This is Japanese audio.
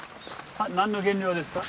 何の原料ですか？